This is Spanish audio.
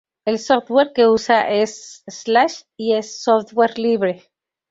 El software que usa es Slash y es software libre.